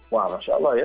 wah masya allah ya